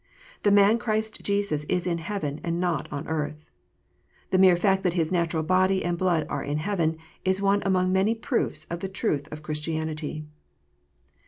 The; Man Christ Jesus is in heaven, and not on earth. The mere fact that His natural body and blood are in heaven, is one among many proofs of the truth of Christianity.